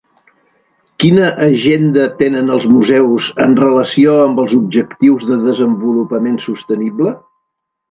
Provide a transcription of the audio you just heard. Quina agenda tenen els museus en relació amb els objectius de desenvolupament sostenible?